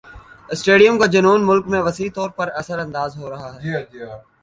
stadium کا جنون مُلک میں وسیع طور پر اثرانداز ہو رہا ہے